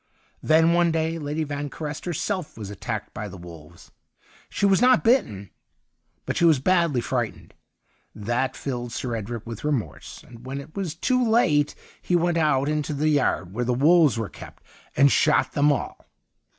Then one day Lady Vanquerest herself was attacked by the wolves ; she was not bitten, but she was badly frightened. That filled Sir Edric with remorse, and, when it was too late, he went out into the yard where the wolves were kept and shot them all.